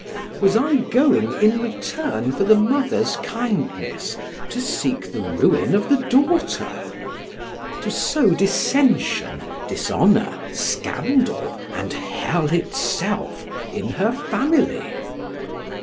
Was I going, in return for the mother's kindness, to seek the ruin of the daughter? To sow dissension, dishonor, scandal, and hell itself, in her family?